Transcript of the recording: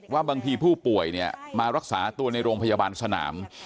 ว่าบางทีผู้ป่วยเนี่ยมารักษาตัวในโรงพยาบาลสนาม